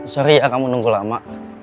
sorry kamu nunggu lama